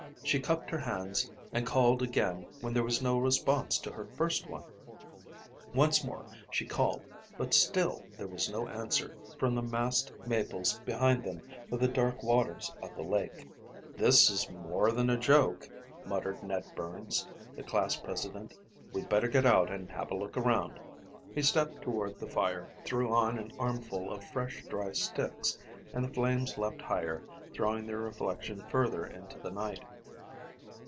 She cupped her hands and called again when there was no response to her first one. Once more she called but still there was no answer from the massed maples behind them or the dark waters of the lake. "This is more than a joke," muttered Ned Burns, the class president. "We'd better get out and have a look around." He stepped toward the fire, threw on an armful of fresh, dry sticks, and the flames leaped higher, throwing their reflection further into the night.